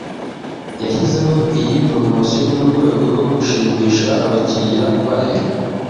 yashyizeho iyi promotion mu rwego rwo gushimisha abakiriya bayo